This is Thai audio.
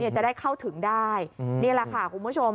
จะได้เข้าถึงได้นี่แหละค่ะคุณผู้ชม